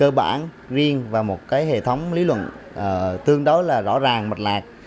có một cái cơ bản riêng và một cái hệ thống lý luận tương đối là rõ ràng mật lạc